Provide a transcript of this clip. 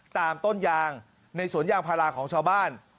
ตามต้นยางในสวนยางพาราของชาวบ้าน